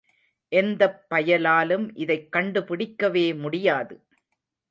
எந்தப் பயலாலும் இதைக் கண்டுபிடிக்கவே முடியாது?